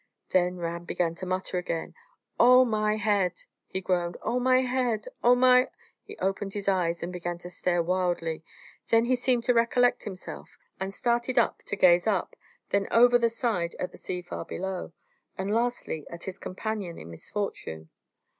Then Ram began to mutter again. "Oh, my head!" he groaned. "Oh, my head! Oh, my " He opened his eyes, and began to stare wildly; then he seemed to recollect himself, and started up to gaze up, then over the side at the sea far below, and lastly at his companion in misfortune.